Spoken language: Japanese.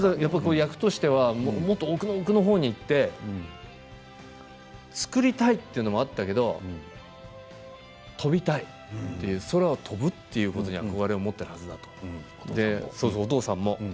役としてはもっと奥の方にいて作りたいというのもあったけど飛びたい空を飛ぶということに憧れを持っているはずだとお父さんも。